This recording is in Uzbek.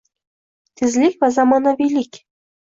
Tezlik va zamonaviylik